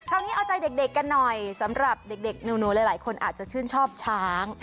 คราวนี้เอาใจเด็กเด็กกันหน่อยสำหรับเด็กเด็กหนูหนูหลายหลายคนอาจจะชื่นชอบช้าง